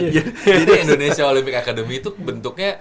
jadi indonesia olympic academy itu bentuknya